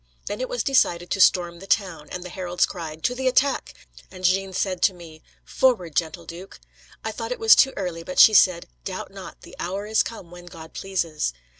Then it was decided to storm the town, and the heralds cried, 'To the attack!' and Jeanne said to me, 'Forward, gentle duke.' I thought it was too early, but she said, 'Doubt not; the hour is come when God pleases.'